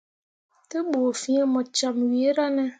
Te bu fin mu camme wira ne.